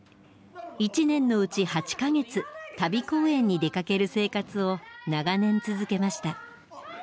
１年のうち８か月旅公演に出かける生活を長年続けました。